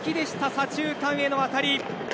左中間への当たり。